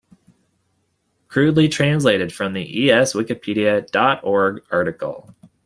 Crudely translated from the es.wikipedia dot org article.